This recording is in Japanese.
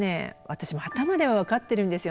私も頭では分かってるんですよ